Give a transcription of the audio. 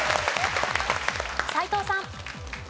斎藤さん。